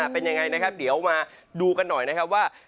เป็นยังไงนะครับเดี๋ยวมาดูกันหน่อยนะครับว่า